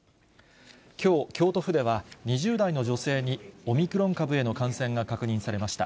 きょう、京都府では２０代の女性にオミクロン株への感染が確認されました。